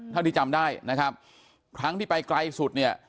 เท่าที่จำได้นะครับครั้งที่ไปไกลสุดเนี่ย